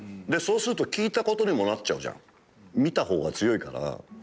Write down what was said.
でそうすると聴いたことにもなっちゃうじゃん見た方が強いから。